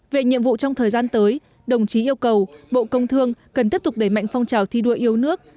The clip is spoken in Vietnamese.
về nhiệm vụ trong thời gian tới đồng chí yêu cầu bộ công thương cần tiếp tục đẩy mạnh phong trào thi đua yêu nước